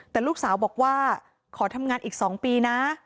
แต่ลูกสาวบอกว่าขอทำงานอีก๒ปีนะ